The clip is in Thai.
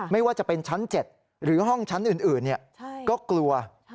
ไม่ว่าจะเป็นชั้น๗หรือห้องชั้นอื่นก็กลัว